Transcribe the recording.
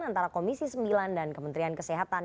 antara komisi sembilan dan kementerian kesehatan